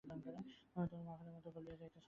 তুমি তো আর মাখনের মত গলিয়া যাইতেছ না।